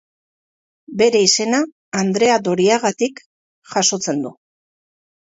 Bere izena Andrea Doriagatik jasotzen du.